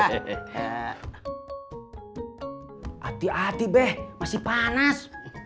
hati hati beh masih panas